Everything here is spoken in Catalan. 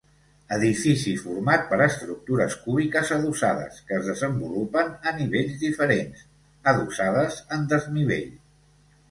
Edifici format per estructures cúbiques adossades que es desenvolupen a nivells diferents, adossades en desnivell.